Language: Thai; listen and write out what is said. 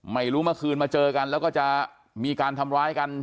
เมื่อคืนมาเจอกันแล้วก็จะมีการทำร้ายกัน